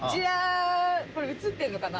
これ映ってるのかな？